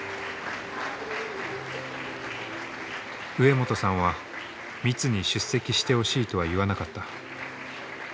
植本さんはミツに出席してほしいとは言わなかった。